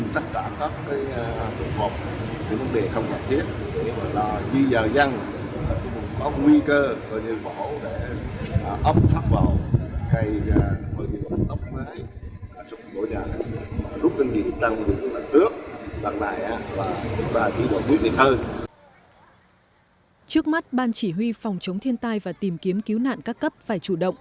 trước mắt ban chỉ huy phòng chống thiên tai và tìm kiếm cứu nạn các cấp phải chủ động